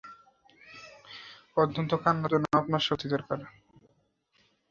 অন্তত কান্নার জন্যও, আপনার শক্তি দরকার।